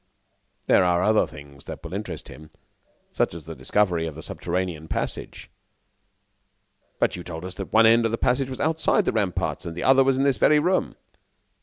"There are other things that will interest him, such as the discovery of the subterranean passage." "But you told us that one end of the passage was outside the ramparts and the other was in this very room!"